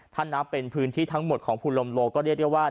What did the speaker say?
ถ้านับเป็นพื้นที่ทั้งหมดของภูลมโลก็เรียกได้ว่า